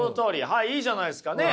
はいいいじゃないですかね。